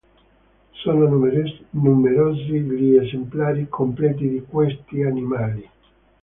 Sono numerosi gli esemplari completi di questi animali.